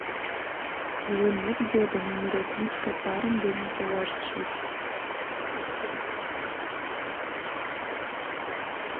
Илымет годым ӱмырет мучко парым дене толашышыч.